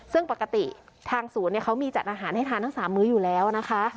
ซึ่งปกติทางศูนย์เขามีจัดอาหารให้ทานทั้ง๓มื้ออยู่แล้วนะคะ